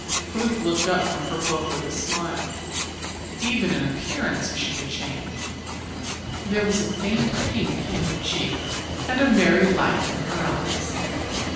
Ruth looked up from her book with a smile. Even in appearance she had changed. There was a faint pink in her cheeks and a merry light in her eyes.